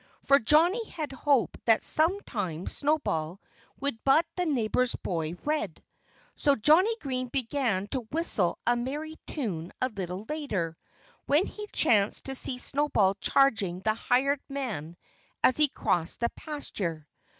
For Johnnie had hoped that sometime Snowball would butt the neighbor's boy Red. So Johnnie Green began to whistle a merry tune a little later, when he chanced to see Snowball charging the hired man as he crossed the pasture.